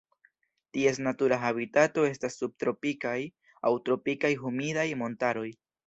Ties natura habitato estas subtropikaj aŭ tropikaj humidaj montaroj.